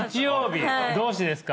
どうしてですか？